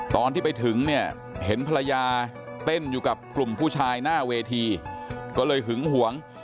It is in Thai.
ตอนที่ไปถึงเนี่ยเห็นภรรยาเต้นอยู่กับกลุ่มผู้ชายหน้าเวทีก็เลยหึงหวง